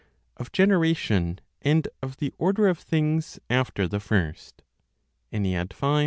Of Generation, and of the Order of Things after the First, v.